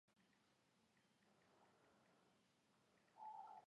მახლობელი გვარები ქმნიან ოჯახს.